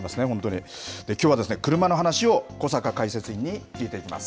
きょうはですね、車の話を小坂解説委員に聞いていきます。